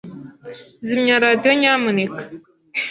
Zimya radio, nyamuneka.